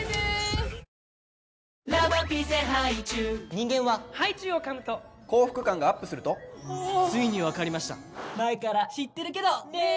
人間はハイチュウをかむと幸福感がＵＰするとついに分かりました前から知ってるけどねー！